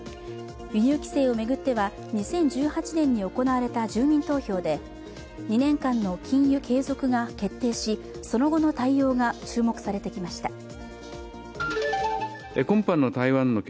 輸入規制を巡っては２０１８年に行われた住民投票で２年間の禁輸継続が決定しその後の対応が注目されてきました。